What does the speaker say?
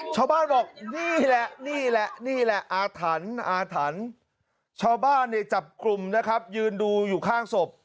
ชาวบ้านบอกนี่แหละนี่แหละนี่แหละอาถรรพ์อาถรรพ์ชาวบ้านเนี่ยจับกลุ่มนะครับยืนดูอยู่ข้างศพ